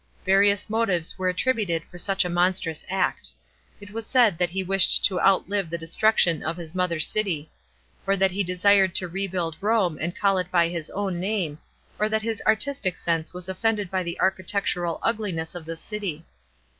Various motives were attributed for such a monstrous act. It was said that he wished to outlive the destruction of his mother city, or that he desired to rebuild Rome and call it by his own name, or that his artistic sense was offended by the architectural ugliness of the city.